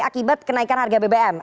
akibat kenaikan harga bbm